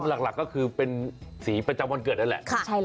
อันหลักก็เป็นสีประจำวันเกิดใช่นะ